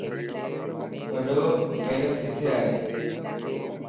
وڏو گيلن ڪٿي ائي؟